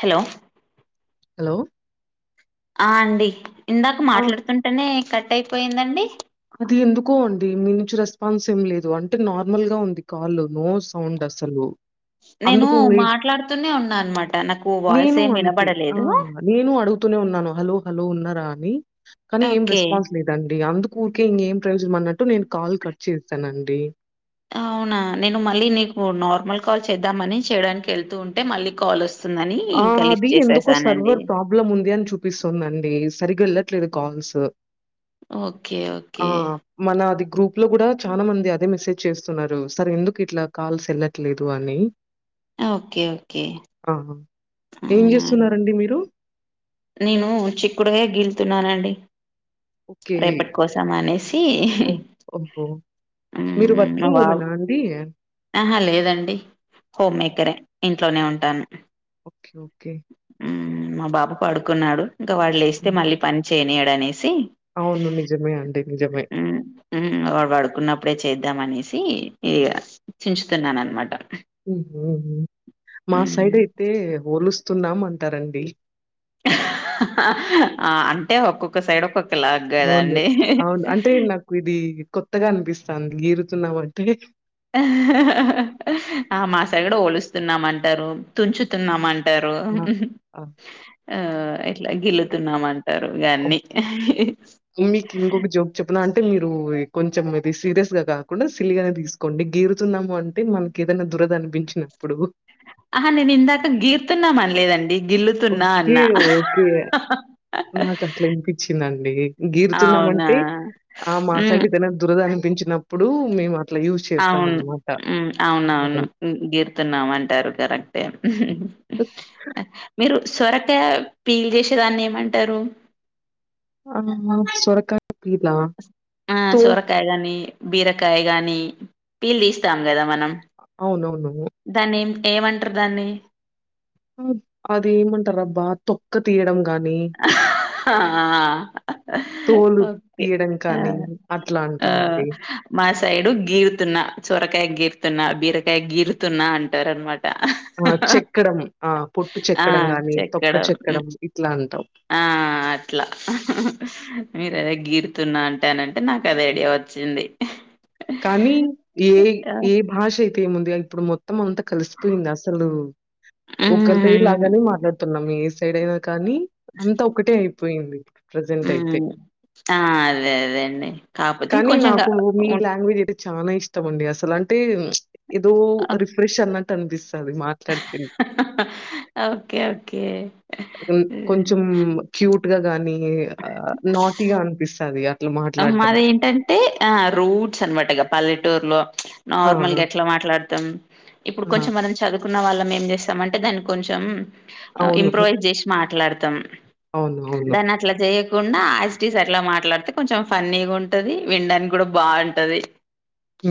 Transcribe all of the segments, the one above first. Hello hello ఆ అండి ఇందాక ఆ! మాట్లాడుతుంటేనే కట్ అయిపోయిందండి ఇది ఎందుకో అండి మీ నుంచి రెస్పాన్స్ ఏం లేదు అంటే నార్మల్ గా ఉంది కాల్ నో సౌండ్ అసలు నేను అందుకు నే మాట్లాడుతూనే ఉన్నా అనమాట నాకు వాయిస్ నేను ఏం అంతే. ఆ! వినబడలేదు నేను అడుగుతూనే ఉన్నాను హలో హలో ఉన్నరా అని కానీ ఏం ఓకే రెస్పాన్స్ లేదండి అందుకు కూర్కే ఇంకేం ప్రయోజనం అన్నట్టు నేను కాల్ కట్ చేసనండి అవునా నేను మళ్ళీ నీకు నార్మల్ కాల్ చేద్దామని చేయడానికి వెళ్తూ ఉంటే మళ్ళీ కాల్ వస్ వస్తుందని ఆ! ఇంకా అది లిఫ్ట్ ఎందుకో చేసేసానండి సర్వర్ ప్రాబ్లమ్ ఉంది అని చూపిస్తుంది అండి సరిగ్గా వెళ్ళట్లేదు కాల్స్ ఓకే ఆ! ఓకే మన అది గ్రూప్ లో కూడా చాలా మంది అదే మెసేజ్ చేస్తున్నారు సార్ ఎందుకు ఇట్లా కాల్స్ వెళ ట్లేదు అని ఓకే ఓకే ఆహా ఏం అవునా అండి చేస్తున్నారండి మీరు నేను చిక్కుడుగాయ గీలుతున్నానండి ఓకే. రేపటి కోసం అనేసి ఓహ్! ఓహో! మీరు మ్మ్, మా వర్కింగ్ బాబు ఉమెన్ ఆ అండి ఆహా లేదండి హోమ్ మేకరే ఇంట్లోనే ఉంటాను ఓకే ఓకే ఊ మా బాబు పడుకున్నాడు ఇంకా వాడు లేస్తే హ్మ్. మళ్ళీ పన్ చేయనీయడనేసి అవును నిజమే అండి నిజమే ఊ వాడు పడుకున్నప్పుడే చేద్దాం అనేసి ఇగ చించుతున్నా అనమాట ఊ హు ఉ మా సైడ్ మ్మ్ అయితే వొలుస్తున్నాం అంటారండి ఆ అంటే ఒక్కొక్క సైడ్ ఒక్కొక్క లాగ్ అవును. గదండి అవును. అంటే నాకు ఇది కొత్తగా అనిపిస్తంది ఏరుతున్నామంటే ఆ మా సైడ్ వోలుస్తున్నామంటారు తుంచుతున్నామం టారు ఆ! ఆ! ఆ ఇట్ల గిల్లుతున్నామం టారు ఇగ అన్నీ మీకి ఇంకొక జోక్ చెప్పిన అంటే మీరు కొంచెం ఇది సీరియస్ గా కాకుండా సిల్లిగానే తీస్ కొండి గీరుతున్నాము అంటే మనకి ఏదనా దురద అనిపించినప్పుడు ఆహా నేను ఇందాక గీర్తున్నాం అనలేదండి గిల్లుతున్నా ఓకే అన్నా ఓకే నాకట్లా వినిపించిందండి అవునా గీరుతున్నామంటే ఆ మాసైడ్ హ్మ్ ఏదైన దురద అనిపించినప్పుడు మేమ అవును ఉ ఆ అవునవును పదం. హు గీరుతున్నామంటారు కరెక్టే మీరు సొరకాయ పీల్ చేసేదాన్నేమంటారు ఆహా సొరకాయ పీల్ ఆ ఆ సొరకాయ గానీ బీరకాయ గానీ పీల్ తీస్తాం కదా మనం అవునవును దాన్నే ఏమంట్రు దాన్ని ఆ అది ఏమంటరబ్బా తొక్క తీయడం గాని ఆహ్ అ తోలు హా ఓకే తీయడం ఆ కానీ అట్లా ఆ అంటామండి. మా సైడు గీరుతున్నా సోరకాయ గీరుతున్నా బీరకాయ గీరుతున్నా అంటారనమాట ఆ చెక్కడం ఆ పొట్టు ఆ చెక్కడం గాని తొక్క హ్మ్. చెక్కడం ఇట్లా అంటాం ఆ అట్లా మీరదే గీరుతున్న అంటే అనంటే నాకదే ఐడియా వచ్చింది కానీ ఏ ఆ! ఏ భాష అయితే ఏముందిగా ఇప్పుడు మొత్తం అంతా కలిసిపోయింది అసలు ఒక్కతె హ్మ్ లాగానే మాట్లాడుతున్నాం ఏ సైడ్ అయినా కానీ అంత ఒకటే అయిపోయింది ప్రజెంట్ అయితే హ్మ్ ఆ అదే అదే అండి కాపోతే కొంచెం గా ఉండ్ లాంగ్గ్వేజ్ అయితే చాన ఇష్టం అండి అసలు అంటే ఏదో ఆహ్, రిఫ్రెష్ అన్నట్టనిపిస్తది ఓకే ఓకే క్యూట్ గా గాని ఆ నాటిగా అనిపిస్తాది మాదేంటంటే ఆ రూట్స్ అనమాట ఇగ పల్లెటూరులో ఆ! నార్మల్ గా ఎట్లా మాట్లాడతాం ఇప్పుడు ఆ! కొంచెం మనం చదువు కున్న వాళ్ళం ఏం చేస్తాం అంటే దాన్నీ కొంచెం అవును. ఇంప్రూవైజ్ జెసి మాట్లాడతాం అవును. అవును. దాన్ అట్ అట్లా చేయకుండా ఆజ్ టీజ్ అట్లా మాట్లాడితే కొంచెం ఫన్నీగుంటది విన్డానికి కూడా బాంటది ఉ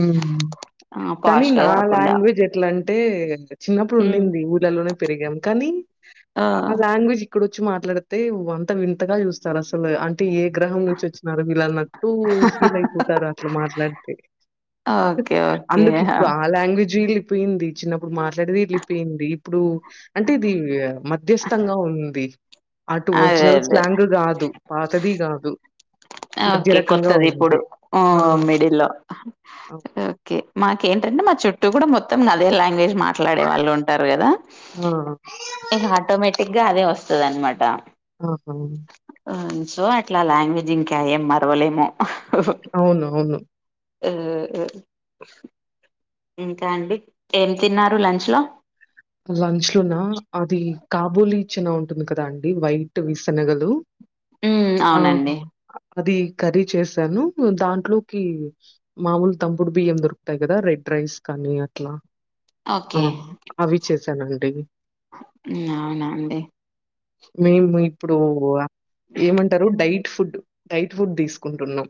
కానీ పాష్ గా నా కాకుండా లాంగ్వేజ్ ఎట్లాంటే చిన్నప్పుడు ఉమ్ ఉండింది ఊర్ లలోనే పెరిగాం కానీ ఆ లాంగ్వేజ్ ఇప్పుడోచ్చి మాట్లాడితే వంత వింతగా చూస్తారు అసలు అం టే ఎ గ్రహం నుంచి వచ్చినారు వీల్లన్నట్టు ఫీల్ అయిపోతారు అట్లా మాట్లాడితే. ఓకే ఓకే అందుకి ఇప్పుడా ఆ లాంగ్వేజ్ ఏళ్ళిపోయింది, చిన్నప్పుడు మాట్లాడేది ఏళ్ళిపోయింది, ఇప్పుడు అంటే ఇది మధ్యస్థంగా ఉంది అటు అదే ఒరిజినల్ అదే స్లాంగ్ కాదు. పాతది గాదు. ఆ మధ్య ఓకే రకంగా కొత్తది ఇప్పుడు ఉంది. ఆ మిడిల్లో అవ్ ఓకే మాకేంటంటే మా చుట్టూ కూడా మొ మొత్తం అదే లాంగ్వేజ్ మాట్లాడేవాళ్ళు ఉంటరు కదా. ఆ ఇగ ఆటోమేటిగ్గా అదే వస్తది అన్మాట. ఆహా ఆ సో అట్లా లాంగ్వేజ్ ఇంకా ఏం మరవలేము. అవును అవును. ఆ ఆ ఇంకా అండి. ఎం తిన్నారు లంచ్లో? లంచ్ లోనా అది కాబోలీ చనా ఉంటుంది కదా అండి వైట్ వి శనగలు. మ్మ్ ఆ అవునండి అది కర్రీ చేశాను, దాంట్లోకి మామూలు తంపుడు బియ్యం దొరుకుతయి కదా రెడ్ రైస్ కానీ అట్లా ఆ ఓకే అవి చేసానండి. అవునా అండి. మేము ఇప్పుడు ఏమంటరు డైట్ ఫుడ్ డైట్ ఫుడ్ తీసుకుంటున్నం.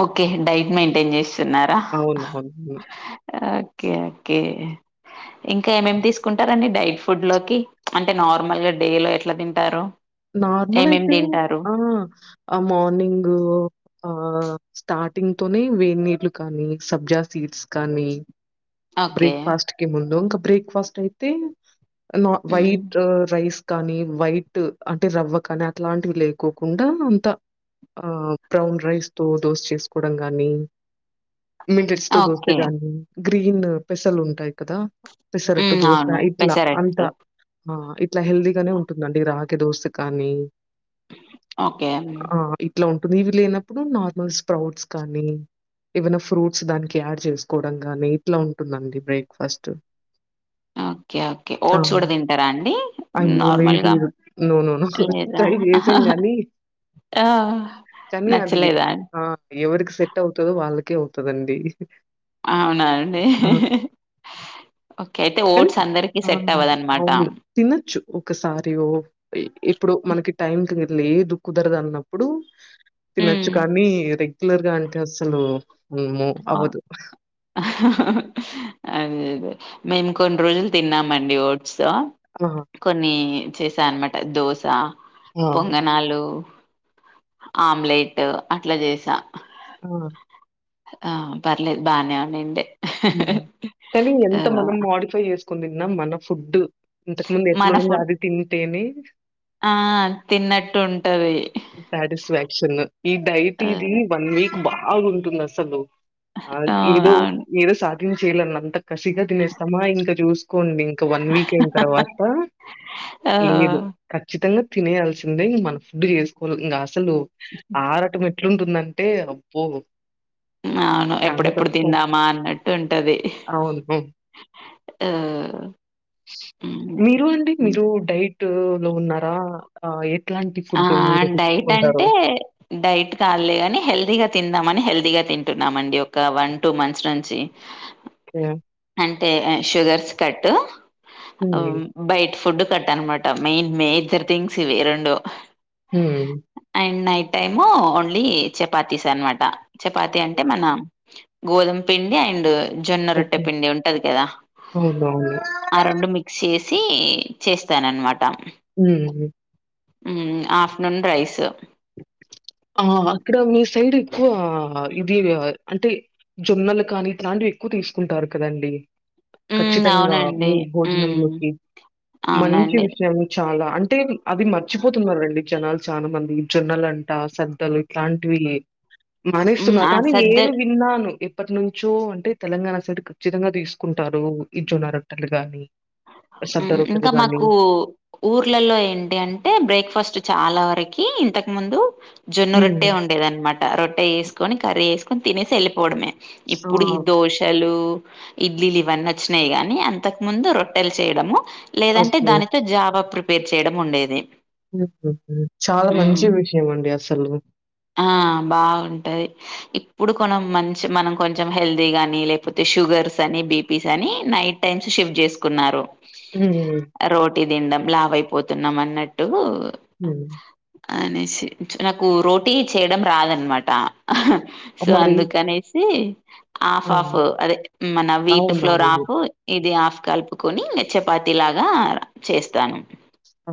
ఓకే డైట్ మెయింటేన్ చేస్తున్నారా హా అవునవును. ఆ ఓకే ఓకే ఇంకా ఏమేమి తీసుకుంటారండి డైట్ ఫుడ్ లోకి అంటే నార్మల్ డే లో ఎట్లా తింటారు. నార్మల్ ఏమేమి అయితే తింటారు ఆహా ఆ మార్నింగు ఆ స్టార్టింగ్ తోనే వేడి నీళ్లు కానీ, సబ్జా సీడ్స్ కానీ ఓకే బ్రేక్ఫాస్ట్ కి ముందు ఇంకా బ్రేక్ఫాస్ట్ అయితే నా మ్మ్ వైట్ రైస్ కానీ వైట్ అంటే రవ్వ కానీ అట్లాంటివి లేకోకుండా అంతా ఆ బ్రౌన్ రైస్ తో దోశ చేసుకోవడం గాని మిల్లెట్స్ తో దోసే ఓకే గానీ, గ్రీను పెసలుంటయి కదా పెసరట్టు మ్మ్ దోస అవును ఇట్లా అంతా పెసరట్టు ఆ ఇట్లా హెల్దీగానే ఉంటుందండి రాగి దోస కానీ ఓకే మ్మ్ ఆ ఇ ట్లా ఉంటుంది, ఇవి లేనప్పుడు నార్మల్ స్ప్రౌట్స్ కానీ ఏవన్నా ఫ్రూట్స్ దానికి యాడ్ చేసుకోవడం కానీ ఇట్లా ఉంటుందండి బ్రేక్ఫాస్ట్. ఓకే ఓకే ఆ ఓట్స్ కూడా తింటారా అండి అయ్యో లేదు నార్మల్గా నోనోనో లేదా ట్రై చేసాం గానీ ఆ కానీ అది నచ్చలేదా ఆ ఎవరికి సెట్ అవతదో వాళ్ళకే అవుతది అండి. అవునా అండి. ఓకే అయితే ఓట్స్ అందరికి సెట్ అవ్వదు అనమాట. తినచ్చు ఒకసారి ఓ ఇ ఇప్పుడు మనకి టైంకి లేదు కుదరదు అన్నప్పుడు తినొచ్చు హ్మ్. కానీ రెగ్యులర్గా అంటే అసలు అమ్మో అవ్వదు. హా హా హా అదే అదే మేము కొన్ని రోజులు తిన్నామండి ఓట్స్ ఆహా కొన్నీ చేసా అన్నమాట దోశా, ఆ! పొంగనాలు అమ్లెట్ అట్లా చేసా ఆ ఆ పర్లేదు బానే ఉండింది ఉ కానీ ఎంత మనం మామిడికాయ ఏసుకొని తిన్నా మన ఫుడ్ ఇంతకు ముందు ఎట్ల మన వండుతే ఫుడ్ అది తింటేనే ఉన్నట్టు ఉంటది సాటిస్ఫాక్షను ఈ డైట్ ఆ! ఇది వన్ వీక్ బా బాగుంటుంది అసలు అవును. అదేదో అవును. ఏదో సాధించేయాలనంత కసిగా తినేస్తామా ఇంకా జూస్ కోండి ఇంకా వన్ వీక్ అయిన తర్వాత ఆ! ఏం లేదు ఖచ్చితంగా తినేయాల్సిందే ఇంక మన ఫుడ్ చేసుకోవాలి ఇంకా అసలు ఆరాటం అయి ఎట్లుంటుందంటే అబ్బో ఆవును చాలా ఎప్పుడెప్పుడు కష్టం. తిందామా అన్నట్టు ఉంటది అవును మే ఉ మీరు అండి మీరు డైటూ లో ఉన్నారా ఆ ఎట్లాంటి ఆ ఫుడ్డు మీరు డైట్ తీసుకుంటారూ అంటే డైట్ కాలే కాని హెల్దీగా తిందామ అని హెల్దీగా తింటున్నాము అండి ఒక వన్ టూ మంత్స్ నుంచి ఓకే. అంటే షుగర్స్ కట్ అవ్ హ్మ్. బయట ఫుడ్ కట్ అన్నమాట మెయిన్ మేజర్ థింగ్స్ ఇవి రెండు హుమ్ అండ్ నైట్ టైమూ ఓన్లీ చపాతీస్ అనమాట చపాతీ అంటే మన గోధుమ పిండి అండ్ జొన్న రొట్టె ఓకే. పిండి ఉంటది కదా అవునవును. ఆ రెండు మిక్స్ చేసి చేస్తాను ఆన్నమాట ఉ ఉ ఆఫ్టర్నూన్ రైస్ ఆ అక్కడ మీ సైడ్ ఎక్కువ ఇది అంటే జొన్నలు కానీ ఇట్లాంటివి ఎక్కువ తీసుకుంటారు కదండీ హ్మ్. ఖచ్చితంగా అవునండి మీ హ్మ్. భోజనంలోకి మంచి అవునండి విషయం చాలా అంటే అవి మర్చిపోతున్నారు అండి జనాలు చాలా మంది జొన్నలంట సద్దలు ఇట్లాంటివి హ్మ్. మనేస్తున్నా ఆ కానీ సద్ద నేను విన్నాను ఏప్పటినుంచో అంటే తెలంగాణ సైడ్ ఖచ్చితంగా తీసుకుంటారు ఈ జొన్న రొట్టెలు గాని ఊ సద్ద ఇంకా రొట్టెలు గాని. మాకు ఊర్లలో ఏంటి అంటే బ్రేక్ఫాస్ట్ చాలా వరకి ఇంతకు ముందు జొన్న హ్మ్. రొట్టె ఉండేది ఆనమాట రొట్టె చేసుకొని కర్రీ వేసుకొని తినేసి వెళ్ళిపోవడమే ఆ! ఇప్పుడు ఈ దోశలు, ఇడ్లీలు ఇవన్నీ వచ్చినాయి గానీ అంతకు ముందు రొ ట్టెలు చేయడము లేదంటే ఓకే. దానితో జావా ప్రిపేర్ చేయడం ఉండేది చాలా హ్మ్. మంచి విషయం అండి అసలు ఆ బాగుంటది ఇప్పుడు కొనం మంచి మనం కొంచెం హెల్దీ గాని లేకపోతే షుగర్స్ అని బీపీస్ అని నైట్ టైమ్స్ షిఫ్ట్ చేసుకున్నారు ఉమ్ రోటీ తినడం లావైపోతున్నాం అన్నట్టూ ఉమ్ అనేసి నాకు రోటీ చేయడం రాదనమాట సో మరి అందుకనేసి హాఫ్ ఆ! ఆఫ్ అదే మన వీట్ ఫ్లోర్ అవునవును. ఆఫ్ ఇది ఆఫ్ కలుపుకొని చపాతి లాగా చేస్తాను ఆ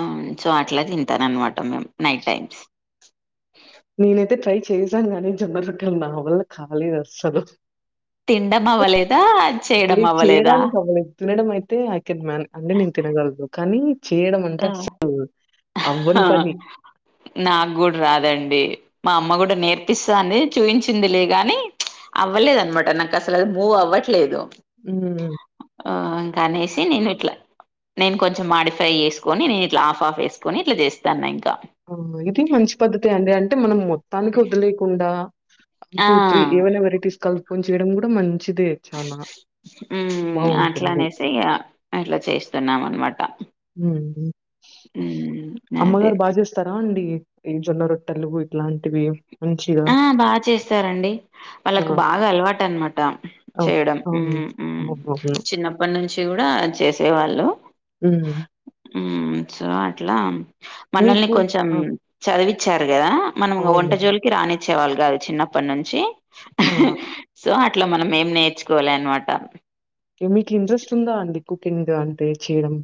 ఆ సో అట్లా తింటారన్నమాట మేము నైట్ టైమ్స్ నేనైతే ట్రై చేసాను గానీ జొన్న రొట్టెలు నావల్ల కాలేదు అస్సలు తినడం అవ్వలేదా చేయడం లేదు అవ్వలేదా చేయడానికి అవ్వలేదు. తినడం అయితే ఐ కెన్ మ్యానేజె అంటే నేను తినగలను కానీ చేయడం అంటే ఆ అసలు అవ్వని పని నాకు కూడా రాదండి మా అమ్మ కూడా నేర్పిస్తాంది చూపించిందిలే గాని అవ్వలేదు అనమాట నాకు అసలు మువ్ అవ్వట్లేదు ఉమ్ ఆ ఇంకా అనేసి నేను ఇట్లా నేను కొంచెం మాడిఫై చేసు కొని నేను ఇట్లా ఆఫ్ ఆఫ్ వేసుకొని ఇట్లా చేస్తాన్నా ఇంకా ఆ ఇది మంచి పద్ధతి అండి అంటే మనం మొత్తానికి వదిలేయకుండా టూ ఆ టు త్రీ ఏవైనా వెరైటీస్ కలుపుకొని చేయడం కూడా మంచిదే చానా ఉమ్ అట్ల బావుంటుంది. అనేసి ఇగ అట్ల చేస్తున్నాం అనమాట ఉమ్ ఊ అమ్మగారు బా చేస్తారా అండి ఈ జొన్న రొట్టెలు ఇట్లాంటివి మంచిగా? ఆ బా చేస్తారండి ఆ! వాళ్ళకు బాగా అలవాటు అనమాట ఓహ్! చేయడం అవును. ఉమ్ ఉమ్ అవునవును. చిన్న ప్పటి నుంచి కూడా చేసేవాళ్ళు ఉమ్ సో అట్లా మనల్ని మీకు కొంచెం ఆ! చదివిచ్చారు కదా మనం అవునవును. వంటజోలికి రానిచ్చేవాళ్ళు కాదు చిన్నప్పటి నుంచి ఆ సో అట్ల మనం ఏం నేర్చుకోలే అనమాట మీకు ఇంట్రెస్ట్ ఉందా అండి కుకింగ్ అంటే చేయడం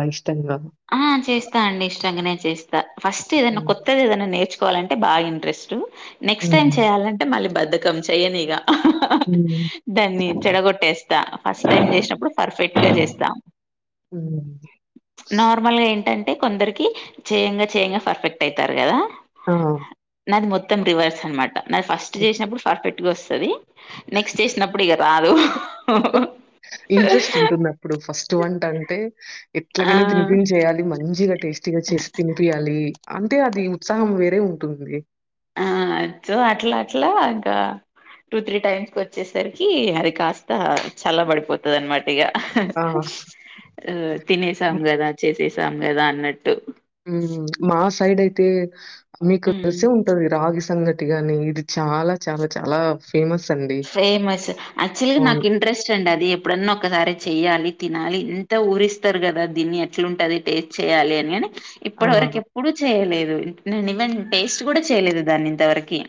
లైఫ్ స్టైల్ గా ఆ చేస్తా అండి ఇష్టంగానే చేస్తా ఫస్ట్ ఏదన్నా హ్మ్. కొత్తది ఏదన్నా నేర్చు కోవాలంటే బాగా ఇంట్రెస్ట్ నెక్స్ట్ టైం హ్మ్. చేయాలంటే మళ్ళీ బధకం చెయనిగ ఉమ్ దాన్ని చెడగొట్టేస్తా ఫస్ట్ టైం చేసినప్పుడు పర్ఫెక్ట్ గా చేస్తా ఉ నార్మల్గా ఏంటంటే కొందరికి చేయంగా చేయంగా పర్ఫెక్ట్ అయితారు కదా ఆ నాది మొత్తం రివర్స్ అనమాట నాది ఫస్ట్ చేసినప్పుడు పర్ఫెక్ట్ గా వస్తది నెక్స్ట్ చేసినప్పుడు ఇగ రాదు ఇంట్రెస్ట్ ఉంటుంది అప్పుడు ఫస్ట్ వంట అంటే ఆ ఎట్లాగైనా దీని ఏం చేయాలి మంచిగా టేస్టీగా చేసి తినిపియాలి అంటే అది ఉత్సాహం వేరే ఉంటుంది ఆ సో అట్లా అట్లా ఇంకా టూ త్రీ టైమ్స్ కు వచ్చేసరికి అది కాస్త చల్ల పడిపోతుంది అనమాట ఇక ఆ తినసాం కదా చేసేసాం కదా అన్నట్టు మా సైడ్ అయితే మీకు హ్మ్ తెలిసే ఉంటది రాగి సంగటి కానీ ఇది చాలా చాలా చాలా ఫేమస్ అండి ఫేమస్ ఆక్చువల్ గ నాకు అవును. ఇంట్రెస్ట్ అండి అది ఇప్పుడన్న ఒకసారి చెయ్యాలి తినాలి ఎంత ఊరిస్తారు కదా దీన్ని ఎట్లాంటది టేస్ట్ చేయ్యాలి అని అని ఇప్పటి ఆ! వరకు ఎప్పుడు చేయలేదు నేను ఇవెన్ టేస్ట్ కూడా చేయలేదు దాన్ని ఇంతవరకి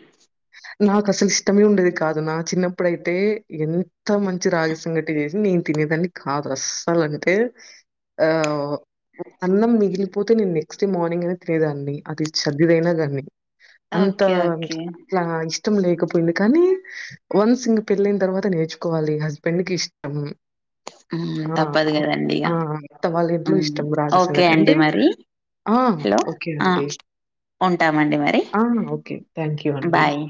నాకు అసలు ఇష్టమే ఉండేది కాదు నా చిన్నప్పుడయితే ఎంత మంచి రాగసంగటి చేసినా నేను తినేదాన్ని కాదు అస్సలు అంటే ఆ అన్నం మిగిలిపోతే నేను నెక్స్ట్ డే మార్నింగ్ అయినా తినేదాన్ని అది చదిదైనాగాని అంతా ఓకే ఓకే అట్లా ఇష్టం లేకపోయింది కానీ వన్స్ ఇంకా పెళ్లయిన తర్వాత నేర్చుకోవాలి హస్బెండ్ కి ఇష్టం ఆ తప్పదు కదండి ఇగ ఆ! అత్త వాళ్ళ ఇంట్లో ఇష్టం రాగి ఓకే సంగటి. అండి అంటే మరి ఆ! హలో ఓకే ఆ అండి. ఉంటామండి మరి ఆ! ఓకే. థాంక్ యూ అండి. బాయ్